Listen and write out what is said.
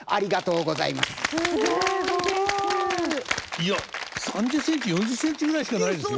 いや３０センチ４０センチぐらいしかないですよ。